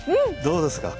どうですか？